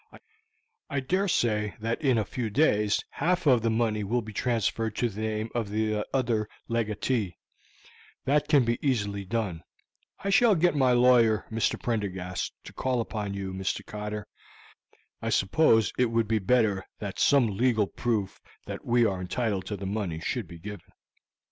I dare say that in a few days half of the money will be transferred to the name of the other legatee; that can be easily done. I shall get my lawyer, Mr. Prendergast, to call upon you, Mr. Cotter. I suppose it would be better that some legal proof that we are entitled to the money should be given."